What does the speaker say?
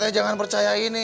teh jangan percaya ini